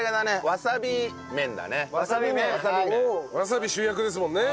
わさび主役ですもんね。